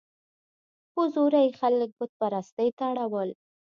په زوره یې خلک بت پرستۍ ته اړول.